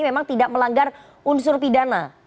memang tidak melanggar unsur pidana